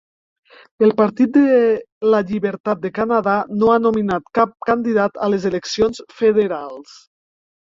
El Partit de la Llibertat de Canadà no ha nominat cap candidat a les eleccions federals.